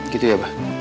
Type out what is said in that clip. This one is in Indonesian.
gitu ya pak